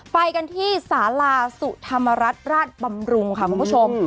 ไปกันที่สาลาสุธรรมรัฐราชบำรุงค่ะคุณผู้ชม